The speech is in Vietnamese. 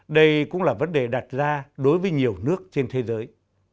đây cũng là vấn đề đặt ra đối với nhiều nước trên thế giới